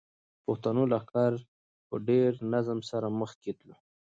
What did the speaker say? د پښتنو لښکر په ډېر نظم سره مخکې تلو.